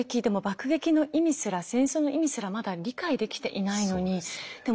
爆撃の意味すら戦争の意味すらまだ理解できていないのにで